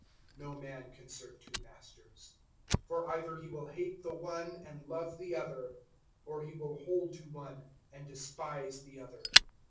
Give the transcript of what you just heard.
(24)No man can serve two masters; for either he will hate the one, and love the other, or he will hold to one and despise the other.